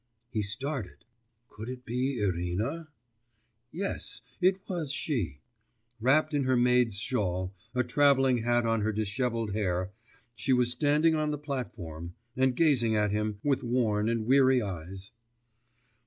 He started.... Could it be Irina? Yes; it was she. Wrapped in her maid's shawl, a travelling hat on her dishevelled hair, she was standing on the platform, and gazing at him with worn and weary eyes.